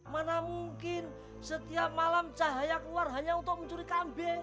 mana mungkin setiap malam cahaya keluar hanya untuk mencuri kambing